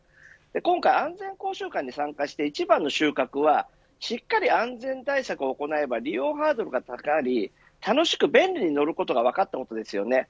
今回、安全講習会に参加して一番の収穫はしっかり安全対策を行えば利用が上がり楽しく便利に乗れることが分かったわけですよね。